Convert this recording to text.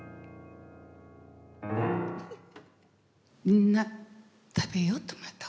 みんな食べようトマト。